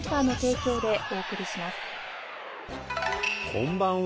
こんばんは。